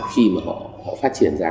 khi mà họ phát triển ra